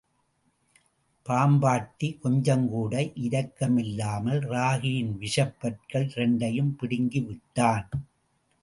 பாம்பாட்டி கொஞ்சம் கூட இரக்கமில்லாமல் ராகியின் விஷப் பற்கள் இரண்டையும் பிடுங்கி விட்டான்.